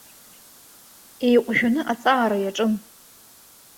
Еиҟәжәаны аҵаара иаҿын.